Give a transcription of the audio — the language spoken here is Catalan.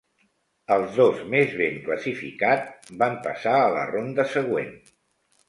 El dos més ben classificat van passar a la ronda següent.